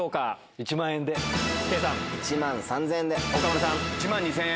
１万２０００円。